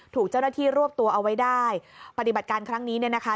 ถูกเจ้าหน้าที่รวบตัวเอาไว้ได้ปฏิบัติการครั้งนี้เนี่ยนะคะ